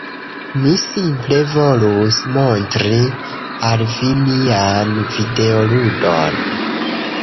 Mi simple volus montri al vi mian videoludon.